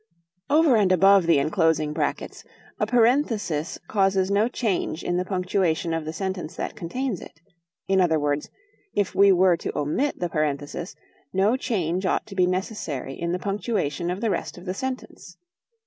Over and above the enclosing brackets, a parenthesis causes no change in the punctuation of the sentence that contains it; in other words, if we were to omit the parenthesis, no change ought to be necessary in the punctuation of the rest of the sentence.